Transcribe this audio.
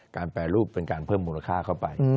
แปรรูปเป็นการเพิ่มมูลค่าเข้าไป